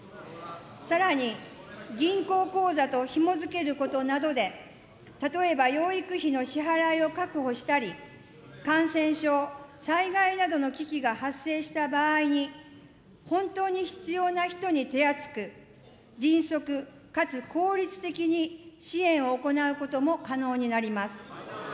さらに、銀行口座とひも付けることなどで、例えば養育費の支払いを確保したり、感染症、災害などの危機が発生した場合に本当に必要な人に手厚く、迅速、かつ効率的に支援を行うことも可能になります。